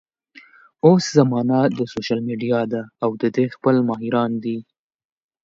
اوس زمانه د سوشل ميډيا ده او د دې خپل ماهران دي